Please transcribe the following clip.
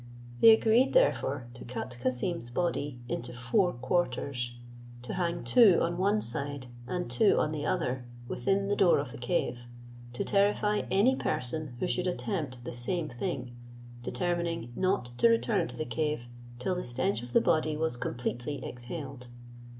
They agreed therefore to cut Cassim's body into four quarters, to hang two on one side and two on the other, within the door of the cave, to terrify any person who should attempt the same thing, determining not to return to the cave till the stench of the body was completely exhaled.